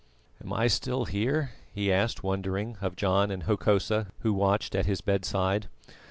"Am I still here?" he asked wondering, of John and Hokosa who watched at his bedside.